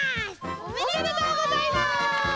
おめでとうございます。